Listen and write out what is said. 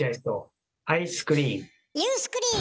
ユースクリーム！